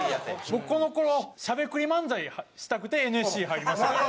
僕この頃しゃべくり漫才したくてＮＳＣ入りましたから。